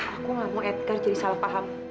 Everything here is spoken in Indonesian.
aku gak mau edgar jadi salah paham